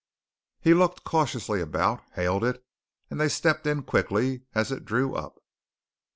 He looked cautiously about, hailed it, and they stepped in quickly as it drew up.